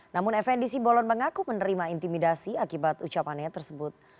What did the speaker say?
namun fnd simbolon mengaku menerima intimidasi akibat ucapannya tersebut